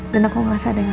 dan aku merasa ada yang aneh